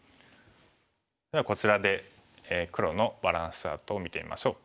ではこちらで黒のバランスチャートを見てみましょう。